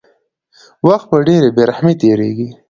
وخت په ډېرې بې رحمۍ تېرېږي.